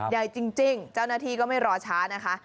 ใหญ่จริงเจ้าหน้าที่ก็ไม่รอช้านะคะ